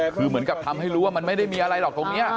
คือเหมือนกับทำให้รู้ว่ามันไม่ได้มีอะไรหรอกตรงนี้